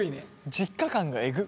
実家感がえぐっ。